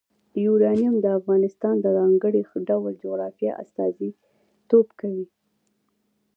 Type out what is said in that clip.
یورانیم د افغانستان د ځانګړي ډول جغرافیه استازیتوب کوي.